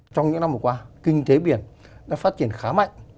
trong những năm vừa qua kinh tế biển đã phát triển khá mạnh